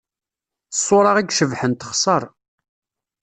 Ṣṣura i icebḥen texṣer.